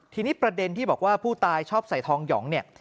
ทีนี้ประเด็นที่บอกว่าผู้ตายชอบใส่ทองหยองเนี่ย